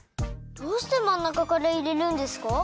どうしてまんなかからいれるんですか？